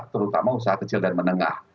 terutama usaha kecil dan menengah